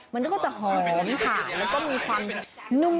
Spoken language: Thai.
มันก็จะหอมถ่านแล้วก็มีความ